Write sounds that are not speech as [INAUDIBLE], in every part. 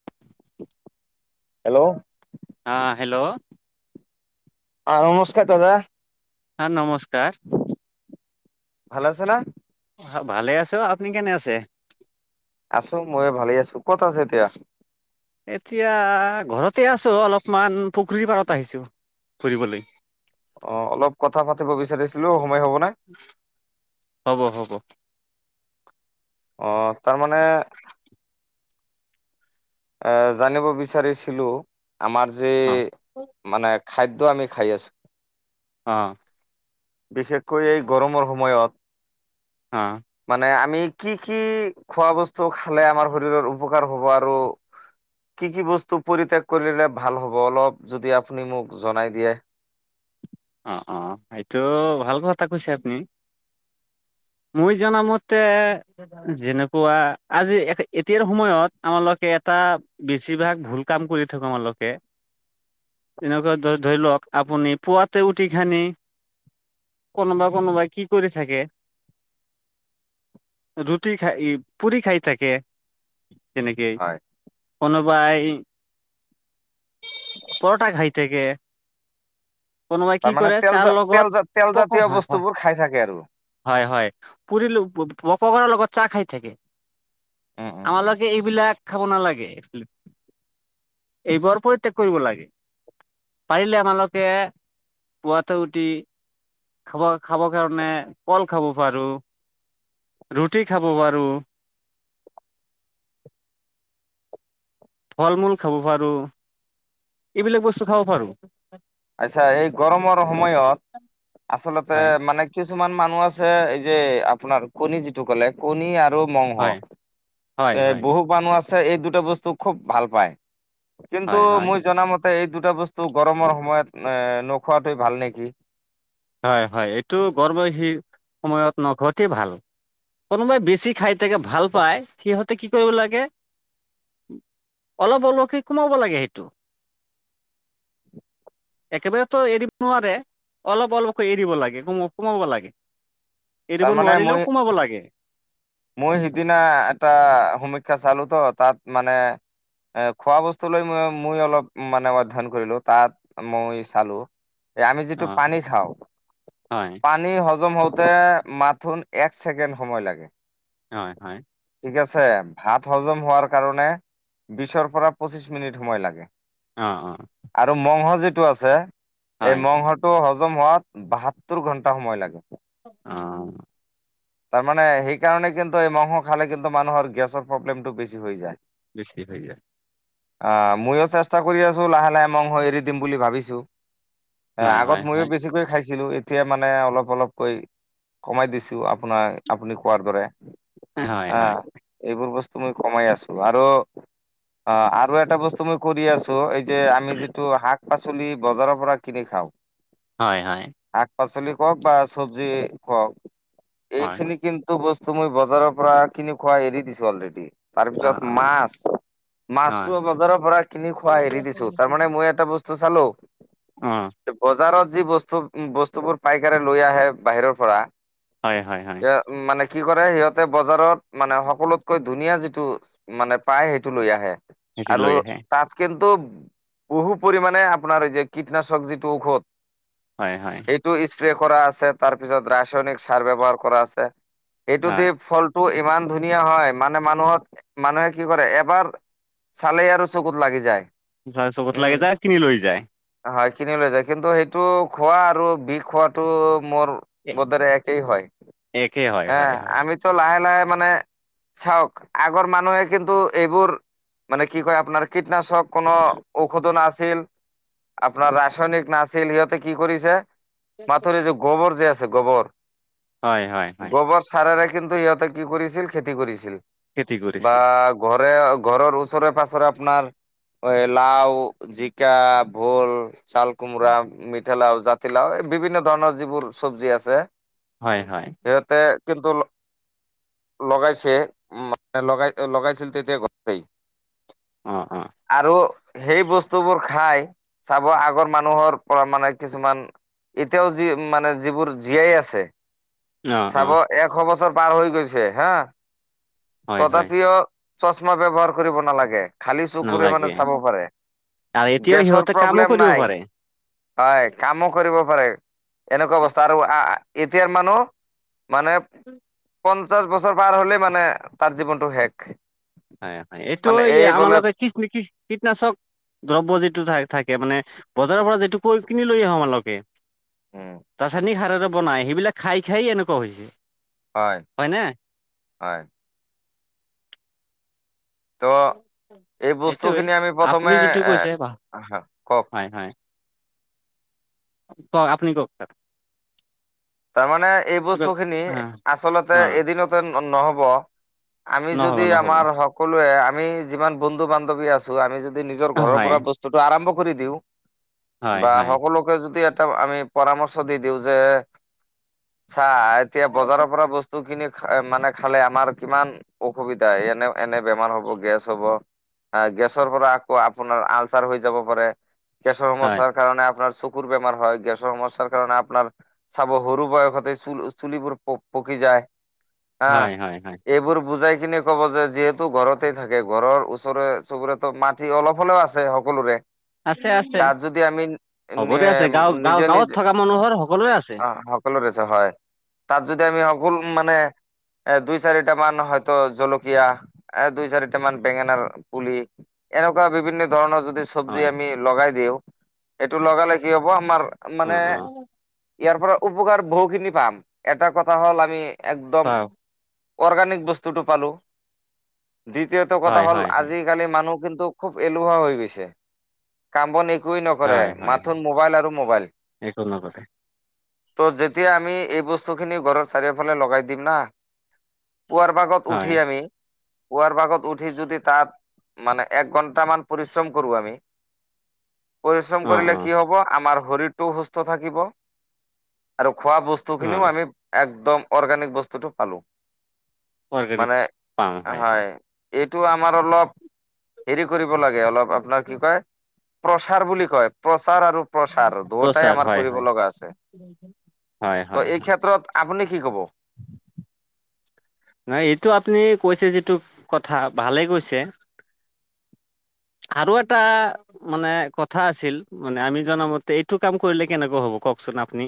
[UNINTELLIGIBLE] Hello. আ hello. অ' নমস্কাৰ দাদা। হা নমস্কাৰ। ভাল আছে না? ভালে আছো আপুনি কেনে আছে? আছো মই ভালেই আছো ক'ত আছে এতিয়া? এতিয়া ঘৰতে আছো অলপমান পুখুৰীৰ পাৰত আহিছো। ফুৰিবলৈ অ' অলপ কথা পাতিব বিচাৰিছিলো সময় হব নে? হ'ব হ'ব। অ' তাৰমানে [INAUDIBLE] এ, জানিব বিচাৰিছিলো আমাৰ যি অ'। মানে খাদ্য আমি খাই আছোঁ অ'। বিশেষকৈ এই গৰমৰ সময়ত অ'। মানে আমি কি কি খোৱা বস্তু খালে আমাৰ শৰীৰৰ উপকাৰ হ'ব আৰু কি কি বস্তু পৰিত্যাগ কৰিলে ভাল হ'ব, অলপ যদি আপুনি মোক জনাই দিয়ে। অ', অ' সেইটো ভাল কথা কৈছে আপুনি। মই জানামতে যেনেকুৱা আজি এতিয়াৰ সময়ত আমালোকে এটা বেছিভাগ ভুল কাম কৰি থাকো অলকে তেনেকুৱা ধৰি লওঁক, আপুনি পুৱাতে উঠি খিনি কোনোবা কোনোবা কি কৰি থাকে ৰুটি খাই, পুৰি খাই থাকে। তেনেকেই হয়। কোনোবাই পৰঠা খাই থাকে। কোনোবাই কি তাৰমানে কৰে তেল জা চাহৰ তেল লগত জা তেল পক জাতীয় হয় হয়। বস্তুবোৰ খাই থাকে আৰু হয়, হয়, পুৰী, পকৰাৰ লগত চাহ খাই থাকে। উম উম উম। আমালোকে এইবিলাক খাব নালাগে। এইবোৰ পৰিত্যাগ কৰিব লাগে। পাৰিলে আমালোকে পুৱাতে উঠি খাব খাবৰ কাৰণে কল খাব পাৰো, ৰুটি খাব পাৰো। ফল মূল খাব পাৰো। এইবিলাক বস্তু খাব পাৰো। আচ্ছা, এই গৰমৰ সময়ত আচলতে হয় মানে কিছুমান মানুহ আছে, এই যে আপোনাৰ কণী যিটো ক'লে কণী আৰু মংস হয় হয় এ হয় বহু মানুহ আছে এই দুটা বস্তু খুব ভাল পায়। কিন্তু হয় হয় মই জনা মতে এই দুটা বস্তু গৰমৰ সময়ত নোখোৱাটোৱে ভাল নেকি। হয়, হয়, এইটো গৰ্ভ সেই সময়ত অতি ভাল। কোনোবাই বেছি খাই থাকে ভাল পায়, সিহঁতে কি কৰিব লাগে অলপ অলপকে কমাব লাগে সেইটো। একেবাৰে তো এৰিব নোৱাৰে। অলপ অলপকৈ এৰিব লাগে, কমাব লাগে, এৰিব তাৰমানে মই নোৱাৰিলেও কমাব লাগে। মই সিদিনা এটা সমীক্ষা চালো তো, তাত মানে এ খোৱা বস্তু লৈ মই অলপ মানে অধ্যয়ন কৰিলো, তাত মই চালো। এ আমি অ যিটো পানী খাওঁ হয় পানী হজম হওঁতে মাথোন এক ছেকেণ্ড সময় লাগে। হয়, হয়। ঠিক আছে। ভাত হজম হোৱাৰ কাৰণে বিশৰ পৰা পঁচিশ মিনিট সময় লাগে। অ', অ'। আৰু মংহ যিটো আছে, এই হয় মংহ টো হজম হোৱাত বাসত্তৰ ঘন্টা সময় লাগে। অঁ। তাৰমানে সেইকাৰণে কিন্তু এই মাংস খালে কিন্তু মানুহৰ গেছৰ প্ৰব্লেমটো বেছি হৈ যায়। বেছি হৈ যায়। আহ ময়ো চেষ্টা কৰি আছো লাহে লাহে মাংস এৰি দিম বুলি ভাবিছো। হয় আগত হয় মইয়ো হয় বেছিকৈ খাইছিলো, এতিয়া মানে অলপ অলপকৈ কমাই দিছো। আপোনাৰ, আপুনি কোৱাৰ দৰে, হয় হয় আহ। এইবোৰ বস্তু মই কমাই আছো আৰু অ আৰু এটা বস্তু মই কৰি আছো এই যে আমি যিটো শাক পাচলি বজাৰৰ পৰা কিনি খাওঁ। হয় হয়। শাক পাচলি কওক বা চব্জি কওক। হয় এইখিনি কিন্তু বস্তু মই বজাৰৰ পৰা খিনি খুৱাই এৰি দিছো অলৰেডি। অ অ তাৰপিছত মাছ। অ মাছটো বজাৰৰ পৰা কিনি খোৱা হেৰি দিছো তাৰ মানে মই এটা বস্তু চালো। উম। বজাৰত যি বস্তু বস্তুবোৰ পাইকাৰে লৈ আহে বাহিৰৰ পৰা। হয় হয় হয়। উ মানে কি কৰে সিহঁতে বজাৰত মানে সকলোতকৈ ধুনীয়া যিটো মানে পাই সেইটো লৈ আহে সিহঁতি লৈ আৰু আহে তাত কিন্তু বহু পৰিমাণে আপোনাৰ এই যে কীটনাশক যিটো ঔষধ হয় হয় এইটো স্প্ৰে কৰা আছে তাৰপিছত ৰাসায়নিক সাৰ ব্যৱহাৰ কৰা আছে এইটো দি হয় ফল টো ইমান ধুনীয়া হয় মানে মানুহত মানুহে কি কৰে এবাৰ চালেই আৰু চকুত লাগি যায়। চবত উম লাগে যায় কিনি লৈ যায়। হয় কিনি লৈ যায় কিন্তু সেইটো খোৱা আৰু বিষ খোৱাত টো মোৰ বদৰে একেই হয়। একে হয় হ হয় হয় আমিতো লাহে লাহে মানে চাওক আগৰ মানুহে কিন্তু এইবোৰ মানে কি কয় আপোনাৰ কীটনাশক কোনো ঔষধো নাছিল আপোনাৰ ৰাসায়নিক নাছিল সিহঁতে কি কৰিছে মাথৰি যে গোবৰ যে আছে গোবৰ হয় হয়। হয় গোবৰ চাৰেৰে কিন্তু ইিহঁতে কি কৰিছিল খেতি কৰিছিল খেতি বা কৰিছিল ঘৰে ঘৰৰ ওচৰে পাছৰে আপোনাৰ লাও জিকা ভোল ছাল কোমোৰা মিঠ লাও জাতিলাও এই বিভিন্ন ধৰণৰ যিবোৰ চবজি আছে। হয় হয়। তে কিন্তু লগাইছে মান লগাই লগাইছিল তেতিয়া ঘৰ অঁ অঁ। আৰু সেই বস্তুবোৰ খাই চাব আগৰ মানুহৰ পৰা মানে কিছুমান এতিয়াও যি মানে যিবোৰ জীয়াই আছে। অ অ চাব এশ বছৰ পাৰ হৈ গৈছে হা, হয় হয় তথাপিও চশমা ব্যৱহাৰ কৰিব নালাগে। খালী চকুৰে মানে নালাগে চাব পাৰে, আৰু এতিয়াও গেছৰ সিহঁতে কামো প্ৰব্লেম কৰিব নাই। পাৰে হয় কামো কৰিব পাৰে, এনেকুৱা অৱস্থা আৰু এতিয়াৰ মানুহ, মানে [UNINTELLIGIBLE] পঞ্চাশ বছৰ পাৰ হলে মানে, তাৰ জীৱনটো শেষ। হয়, হয় এইটো মানে এই আমাৰ বোলে লগে [UNINTELLIGIBLE] কীটনাশক দ্ৰব্য যিটো থাকে, মানে বজাৰৰ পৰা যিটো কৈ কিনি লৈ আহো আমালোকে উম [UNINTELLIGIBLE] সাৰৰে বনাই সেইবিলাক খাই-খাই এনেকুৱা হৈছে। হয়, হয়। ত' এই সেইটোৱে বস্তুখিনি আমি প্ৰথমে আপুনি যিটো এ কৈছে হা কওক হয়, হয়। ক আপুনি কওক [UNINTELLIGIBLE] তাৰমানে এই কিবা বস্তু খিনি অ অ আচলতে এদিনতে নহব। আমি নহ'ব যদি নহ'ব আমাৰ সকলোৱে আমি যিমান বন্ধু-বান্ধৱী আছো। আমি যদি নিজৰ ঘৰৰ হয় পৰা বস্তুটো আৰম্ভ কৰি দিওঁ, হয় বা হয় সকলো যদি এটা আমি পৰামৰ্শ দি দিওঁ যে চা এতিয়া বজাৰৰ পৰা বস্তু বস্তুখিনি মানে খালে, আমাৰ কিমান অসুবিধা এনে-এনে বেমাৰ হ'ব গেছ হ'ব। গেছৰ পৰা আকৌ আপোনাৰ আলচাৰ হৈ যাব পাৰে। গেছৰ হয় সমস্যাৰ কাৰণে আপোনাৰ চকুৰ বেমাৰ হয়, গেছৰ সমস্যাৰ কাৰণে আপোনাৰ চাব সৰু বয়সতে চুল-চুলিবোৰ প-পকি যায়। হা, হয় হয় হয় এইবোৰ বুজাই কিনে ক'ব যে, যিহেতু ঘৰতেই থাকে ঘৰৰ ওচৰে চুবুৰেতো মাটি অলপ হ'লেও আছে সকলোৰে। আছে আছে তাত যদি আমি চবৰে আছে গাঁও গাঁও গাঁৱত নিজে-নিজে থকা মানুহৰ সকলোৱে আছে। সকলোৰে আছে হয়, তাত যদি আমি সকলো মানে এই দুই চাৰিটা মান হয়তো জলকীয়া, এই দুই চাৰিটা মান বেঙেনাৰ পুলি। এনেকুৱা বিভিন্ন ধৰণৰ যদি চবজি হয় আমি লগাই দিওঁ, সেইটো লগালে কি হ'ব আমাৰ অ মানে অ ইয়াৰ পৰা উপকাৰ বহুখিনি পাম, এটা কথা হ'ল আমি একদম হয় অৰ্গেনিক বস্তুটো পালো, দ্বিতীয়টো হয়, কথা হ'ল হয়, হয়, আজি আজি-কালি মানুহ কিন্তু খুব এলেহুৱা হৈ গৈছে। কাম-বন একোৱেই নকৰে, হয়, হয়, হয়, মাথোন মোবাইল আৰু মোবাইল। একো নকৰে। ত' যেতিয়া আমি এই বস্তু খিনি ঘৰৰ চাৰিওফালে লগাই দিম না, পুৱাৰ ভাগত হয়, উঠি আমি পুৱাৰ ভাগত উঠি যদি তাত, মানে, এক ঘন্টামান পৰিশ্ৰম কৰো আমি পৰিশ্ৰম অ', কৰিলে অ', কি হব, আমাৰ শৰীৰটোও সুস্থ থাকিব। আৰু খোৱা বস্তুখিনিও অ', আমি একদম অৰ্গেনিক বস্তুটো পালো। চৰকাৰী মানে হয়। এইটো আমাৰ অলপ হেৰি কৰিব লাগে, অলপ আপোনাৰ কি কয় প্ৰচাৰ বুলি কয়, প্ৰচাৰ আৰু প্ৰচাৰ দুয়টাই প্ৰচাৰ আমাৰ হয়, হয়, কৰিব লগা আছে। হয়, ত' হয়, এই হয়, ক্ষেত্ৰত আপুনি কি কব? নাই, এইটো আপুনি কৈছে যিটো কথা ভালে কৈছে। আৰু এটা মানে কথা আছিল, মানে আমি জনামতে এইটো কাম কৰিলে কেনেকুৱা হ'ব কওকচোন আপুনি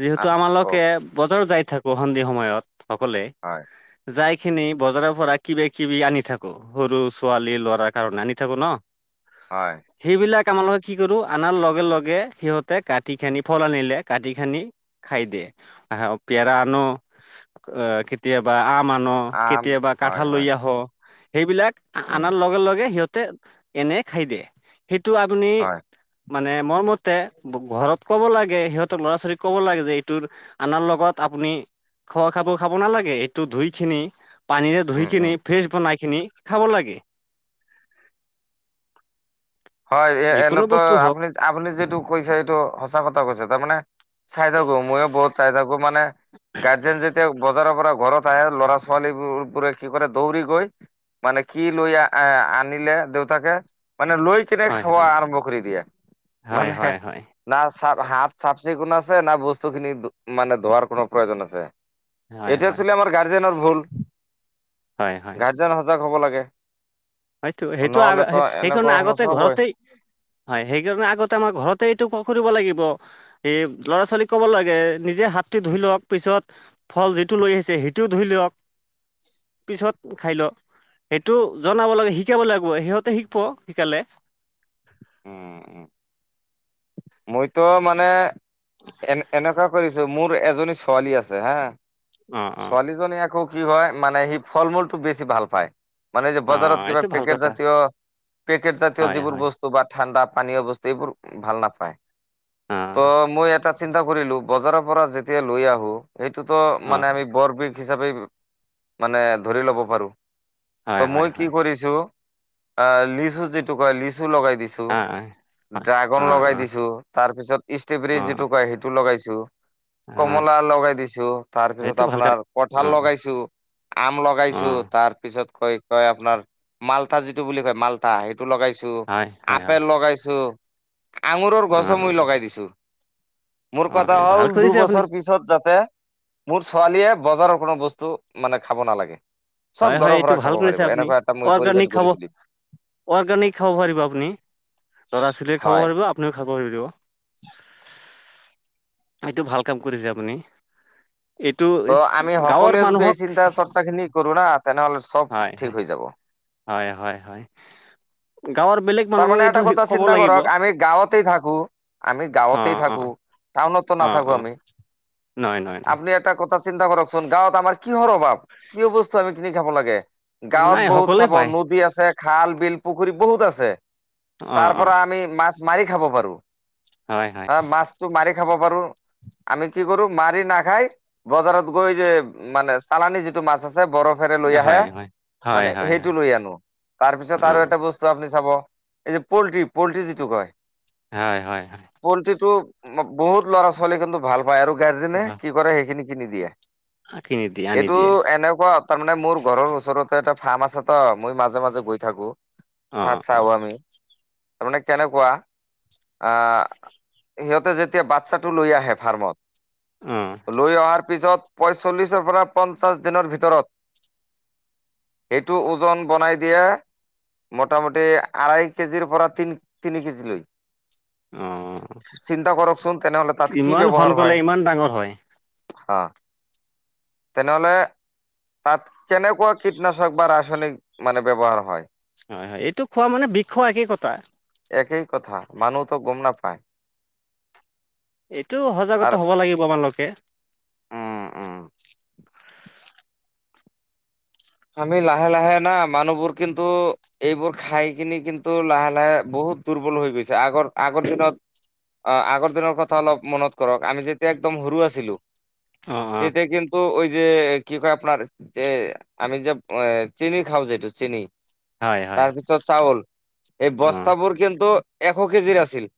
যিহেতু আহ, কওক আমালোকে, বজাৰ যাই থাকো সন্ধি সময়ত সকলোৱে। হয়। যাই খিনি বজাৰৰ পৰা কিবা-কিবি আনি থাকো, সৰু ছোৱালী ল'ৰাৰ কাৰণে আনি থাকো ন। হয়। সেইবিলাক আমালগে কি কৰোঁ, আনাৰ লগে লগে, সিহঁতে কাটি কিনে ফল আনিলে কাটি কিনে খাই দিয়ে। আহ পেৰা আনো অ', কে কেতিয়াবা আম আনো, আম কেতিয়াবা হয় কাঠাল লৈ হয় আহোঁ, সেইবিলাক উম আনাৰ লগে-লগে সিহঁত তে, এনে খাই দিয়ে। সেইটো আপুনি হয় মানে, মোৰ মতে ঘৰত ক'ব লাগে, সিহঁতৰ ল'ৰা ছোৱালীক ক'ব লাগে যে এইটোৰ আনাৰ লগত আপুনি খোৱা খাব-খাব নালাগে, এইটো ধুইকিনে পানীৰে ধুই উম কিনি, উম ফ্ৰেছ বনাইকিনি খাব লাগে। হয়, যিকোনো এ-এনেতো বস্তু হওক আপুনি আপুনি যিটো কৈছে, সেইটো সঁচা কথা কৈছে। তাৰমানে চাই থাকো। মইয়ো বহুত চাই থাকো মানে গাৰ্জেন যেতিয়া বজাৰৰ পৰা ঘৰত আহে, ল'ৰা-ছোৱালীবোৰে কি কৰে, দৌৰি গৈ মানে কি লৈ আ-আনিলে দেউতাকে, মানে লৈ কিনে হয় খোৱা হয় আৰম্ভ কৰি দিয়ে। হয় মানে হয় হয় না, চা-হাত চাফ-চিকুণ আছে, না বস্তুখিনি মানে ধোৱাৰ কোনো প্ৰয়োজন আছে। হয় এইটো হয় আছিলে আমাৰ গাৰ্জেনৰ ভুল। হয়, হয়, গাৰ্জেন সজাগ হ'ব লাগে। হয়তো। সেইটো নহ'লেতো এনেকুৱা আগ-সেইকাৰণে আগতে সমস্যা হ'বই ঘৰতেই হয়, সেইকাৰণে আগতে আমাৰ ঘৰতে এইটো কৰিব লাগিব। এই ল'ৰা-ছোৱালীক ক'ব লাগে, নিজে হাতটো ধুই লওক পিছত ফল যিটো লৈ আহিছে, সেইটোও ধুই লওক। পিছত খাই ল', সেইটো জনাব লাগে। শিকাব লাগিব। সিহঁতে শিকব শিকালে। উম উ, মইতো মানে এ-এনেকুৱা কৰিছো। মোৰ এজনী ছোৱালী আছে হা, অ', অ', ছোৱালীজনী আকৌ কি হয়, মানে সি ফল-মূলটো বেছি ভাল পায়। মানে যে বজাৰত অ', কিবা এইটো ভাল পেকেট কথা জাতীয়, পেকেট জাতীয় হয়, যিবোৰ হয়, বস্তু বস্তু বা ঠাণ্ডা পানীয় বস্তু, এইবোৰ ভাল নাপায়। ত', অ', মই এটা চিন্তা কৰিলো, বজাৰৰ পৰা যেতিয়া লৈ আহোঁ, সেইটোতো অ', মানে আমি বৰ বিষ হিচাপে মানে ধৰি ল'ব পাৰো। হয়, ত', হয়, মই হয়, কি কৰিছো এ লিচু যিটো কয়, লিচু লগাই দিছোঁ। অ', হয়। অ', অ'। ত' তাৰ পিছত ষ্ট্ৰ'বেৰী অ', যিটো কয় সেইটো লগাইছো। অ', কমলা লগাই দিছোঁ। এইটো তাৰপিছত ভাল কথা। আপোনাৰ কঠাল অ', লগাইছো। আম লগাইছো। অ', তাৰ পিছত কৈ কয় আপোনাৰ মালতা যিটো বুলি কয় মালতা, সেইটো লগাইছো। ত', হয়, হয়, হয়, আপেল লগাইছো। আঙুৰৰ গছো অ', মই লগাই দিছো। মোৰ কথা অ', হ'ল ভাল কৰিছে আপুনি দুবছৰ পিছ পিছত যাতে, মোৰ ছোৱালীয়ে বজাৰৰ কোনো বস্তু মানে খাব নালাগে। সব হয় হয় ঘৰৰ এইটো পৰা ভাল খাব কৰিছে পাৰিব, এনেকুৱা এটা মই পৰিবেশ গঢ়ি তুলিম। অ'ৰ্গানিক খাব পাৰিব আপুনি। ল'ৰা-ছোৱালীয়ে খাব হয়। পাৰিব, আপুনিও খাব পাৰিব। এইটো ভাল কাম কৰিছে আপুনি। এইটো ত', আমি গাঁৱৰ সকলোৱে যদি এই মানুহক চিন্তা-চৰ্চাখিনি কৰো না', তেনেহ'লে সব হয় হয় ঠিক হৈ যাব। হয় হয়। গাঁৱৰ বেলেগ মানুহক তাৰমানে এটা এইটো কথা ক'ব চিন্তা লাগিব কৰক, আমি গাঁৱতেই থাকো, আমি অ গাঁৱতেই অ থাকো। টাউনততো অ নাথাকো অ আমি। নহয়, নহয়, নহ আপুনি এটা কথা চিন্তা কৰকচোন, গাঁৱত আমাৰ কিহৰ অভাৱ? কিয় বস্তু আমি কিনি খাব লাগে? নাই গাঁৱত বহুত সকলোৱে চাব, পায় নদী আছে, খাল-বিল, পুখুৰী বহুত আছে। অ তাৰ অ পৰা আমি মাছ মাৰি খাব পাৰো। হয়, হয়। মাছটো মাৰি খাব পাৰোঁ। আমি কি কৰোঁ, মাৰি নাখাই বজাৰত গৈ যে, মানে চালানি যিটো মাছ আছে বৰফ লৈ আহে হয় হয় হয় মানে হয় হয় সেইটো লৈ আনো তাৰপিছত অ আৰু এটা বস্তু [UNINTELLIGIBLE] আপুনি চাব, এই পল্ট্ৰি-পল্ট্ৰি যিটো কয়? হয়, হয়, হয়। পল্ট্ৰিটো বহুত ল'ৰা ছোৱালী কিন্তু ভাল পায়, আৰু গাৰ্জেনে কি কৰে, সেইখিনি কিনি দিয়ে। আশী নিদিয়ে আনি এইটো দিয়ে এনেকুৱা তাৰ মানে মোৰ ঘৰৰ ওচৰতে এটা ফাৰ্ম আছে ত' মই মাজে মাজে গৈ থাকো, অ ভাত অ খাই আহো আমি। তাৰ মানে কেনেকুৱা আহ, ইহঁতে যেতিয়া বাচ্ছাটো লৈ আহে অ ফাৰ্মত লৈ অহাৰ পিছত [UNINTELLIGIBLE] প্ৰচল্লিছৰ পৰা, পঞ্চাছ দিনৰ ভিতৰত। এইটো ওজন বনাই দিয়ে, মোটামুটি আঢ়াই কেজিৰ পৰা তিন-তিনি কেজি লৈ। অ চিন্তা কৰকচোন, তেনেহলে তাত কি ইমান ব্যৱহাৰ সোনকালে হয়? ইমান ডাঙৰ হয় হা, তেনেহ'লে তাত কেনেকুৱা কীটনাশক বা ৰাসায়নিক মানে ব্যৱহাৰ হয়? হয়, হয়, এইটো খোৱা মানে বিষ খোৱা একেই কথা। একেই কথা, মানুহতো গম নাপায়। এইটো সজাগতা আৰু হ'ব লাগিব আপোনালোকে উম উম। আমি লাহ- লাহে না মানুহবোৰ কিন্তু এইবোৰ খাই কিনি কিন্তু লাহে লাহে বহুত দুৰ্বল হৈ গৈছে, আগৰ-আগৰ দিনত অ', আগৰ দিনৰ কথা অলপ মনত কৰক, আমি যেতিয়া একদম সৰু আছিলো অ অ তেতিয়া কিন্তু ঐ যে, কি কয় আপোনাৰ যে আমি যে, এ, চিনি খাওঁ যিটো চিনি হয় হয় তাৰপিছত চাউল, এই অ বস্তাবোৰ কিন্তু এশ কেজিৰ আছিল।